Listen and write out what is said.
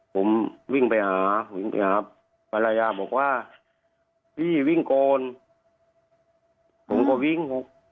ผมวิ่งไปหาวิ่งไปหาภรรยาบอกว่าพี่วิ่งโกนผมก็วิ่ง